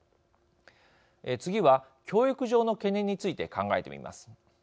次は教育上の懸念について考えてみます。